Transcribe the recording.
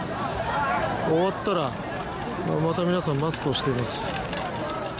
終わったら、また皆さんマスクをしています。